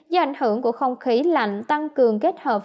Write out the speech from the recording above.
do ảnh hưởng của không khí lạnh tăng cường kết hợp